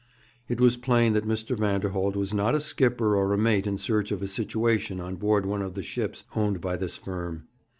It was plain that Mr. Vanderholt was not a skipper or a mate in search of a situation on board one of the ships owned by this firm.